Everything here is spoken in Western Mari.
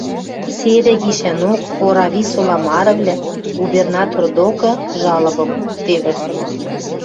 Седӹ гишӓнок Орависола марывлӓ губернатор докы жалобым колтевӹ.